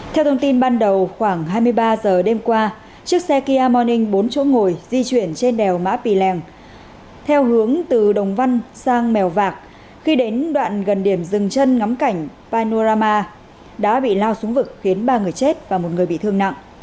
theo thông tin ban đầu khoảng hai mươi ba giờ đêm qua chiếc xe kia morning bốn chỗ ngồi di chuyển trên đèo mã pì lèng theo hướng từ đồng văn sang mèo vạc khi đến đoạn gần điểm rừng chân ngắm cảnh panorama đã bị lao xuống vực khiến ba người chết và một người bị thương nặng